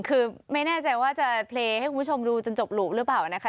คือไม่แน่ใจว่าจะเพลย์ให้คุณผู้ชมดูจนจบหลูหรือเปล่านะคะ